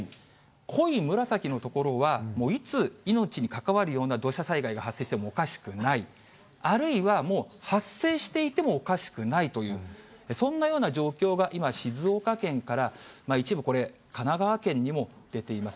濃い紫の所は、もういつ命に関わるような土砂災害が発生してもおかしくない、あるいは、もう発生していてもおかしくないという、そんなような状況が今、静岡県から一部これ、神奈川県にも出ています。